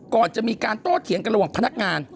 ก่อนจะมีการโต้เถียงกันระหว่างพนักงาน